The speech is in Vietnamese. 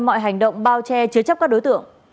mọi hành động bao che chứa chấp các đối tượng